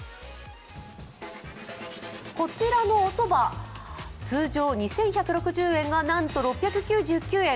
こちらのおそば、通常２１６０円がなんと６６９円。